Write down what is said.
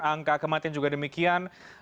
angka kematian juga demikian